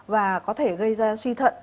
và có thể gây ra suy thận